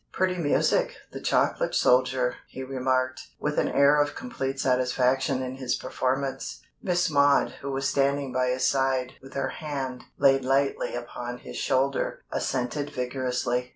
"Pretty music, The Chocolate Soldier," he remarked, with an air of complete satisfaction in his performance. Miss Maud, who was standing by his side with her hand laid lightly upon his shoulder, assented vigorously.